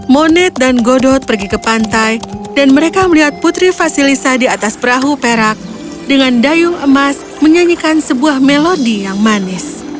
moned dan godot pergi ke pantai dan mereka melihat putri vasilisa di atas perahu perak dengan dayung emas menyanyikan sebuah melodi yang manis